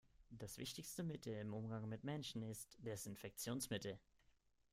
Das wichtigste Mittel im Umgang mit Menschen ist Desinfektionsmittel.